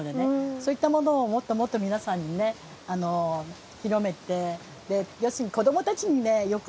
そういったものをもっともっと皆さんにね広めて。